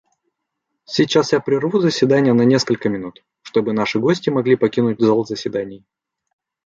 Сейчас я прерву заседание на несколько минут, чтобы наши гости могли покинуть зал заседаний.